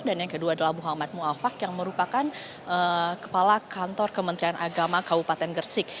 dan yang kedua adalah muhammad mu'affaq yang merupakan kepala kantor kementerian agama kabupaten gersik